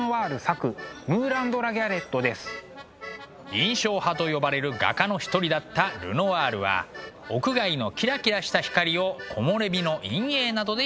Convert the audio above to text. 印象派と呼ばれる画家の一人だったルノワールは屋外のキラキラした光を木漏れ日の陰影などで表現しました。